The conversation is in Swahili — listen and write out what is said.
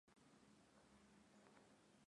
Kisengo kuna tokaka coltan na kasis ya mingi